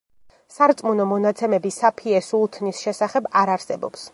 სარწმუნო მონაცემები საფიე სულთნის შესახებ არ არსებობს.